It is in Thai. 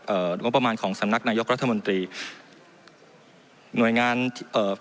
งบประมาณของสำนักนายกรัฐมนตรีหน่วยงานเอ่อ